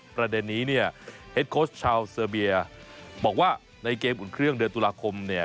ประเด็นนี้เนี่ยเฮ็ดโค้ชชาวเซอร์เบียบอกว่าในเกมอุ่นเครื่องเดือนตุลาคมเนี่ย